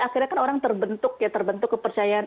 akhirnya kan orang terbentuk ya terbentuk kepercayaan